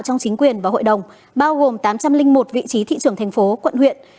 trong chính quyền và hội đồng bao gồm tám trăm linh một vị trí thị trường thành phố quận huyện